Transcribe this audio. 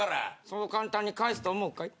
「そう簡単に帰すと思うかい？」